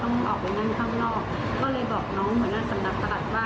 ต้องออกนั่งข้างนอกก็เลยบอกน้องแหล่งสำนักประหลักว่า